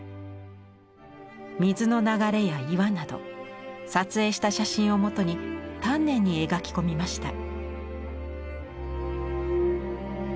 水の流れや岩など撮影した写真をもとに丹念に描き込みました。